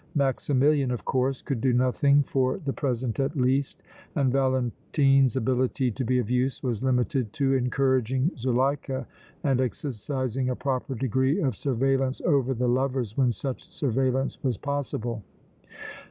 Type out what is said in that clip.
Maximilian, of course, could do nothing, for the present at least, and Valentine's ability to be of use was limited to encouraging Zuleika and exercising a proper degree of surveillance over the lovers when such surveillance was possible.